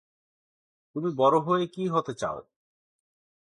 তুমি বড়ো হয়ে কী হতে চাও?